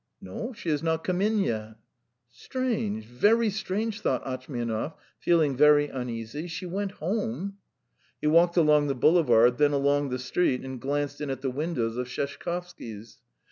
"No, she has not come in yet." "Strange ... very strange," thought Atchmianov, feeling very uneasy. "She went home. ..." He walked along the boulevard, then along the street, and glanced in at the windows of Sheshkovsky's.